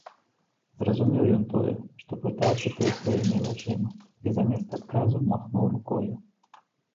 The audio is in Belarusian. Зразумеў ён тое, што пытаўся той сваімі вачыма, і замест адказу махнуў рукою.